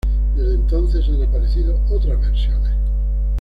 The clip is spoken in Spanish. Desde entonces han aparecido otras versiones.